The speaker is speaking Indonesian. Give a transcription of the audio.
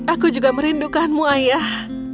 aku juga merindukanmu ayah